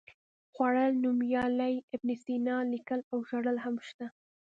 خوړل، نومیالی، ابن سینا، لیکل او ژړل هم شته.